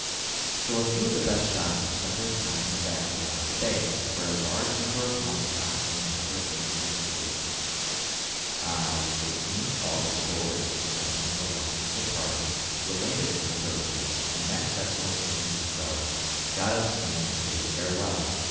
So a few of the best shots spent their time in the valleys round the bay, where a large number of musk oxen and other game frequented. On August 18, all the stores, &c., belonging to the party were landed from the Proteus, and that vessel, being discharged, got up steam and bade farewell.